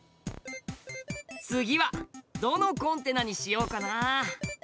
次はどのコンテナにしようかな。